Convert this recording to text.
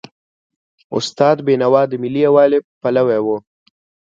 استاد بینوا د ملي یووالي پلوی و.